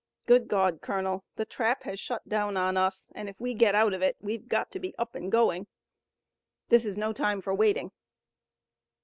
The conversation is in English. Good God, Colonel, the trap has shut down on us and if we get out of it we've got to be up and doing! This is no time for waiting!"